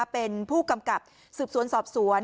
เป็นผู้กำกับสืบสวนสอบสวน